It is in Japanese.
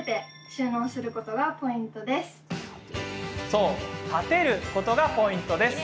そう、立てることがポイントです。